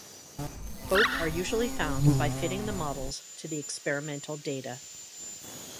Both are usually found by fitting the models to the experimental data.